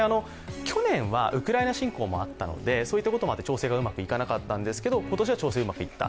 去年はウクライナ侵攻があったので、そういったこともあって調整がうまくいかなかったんですが今年はうまくいった。